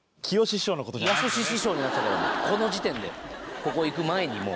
この時点でここいく前にもう。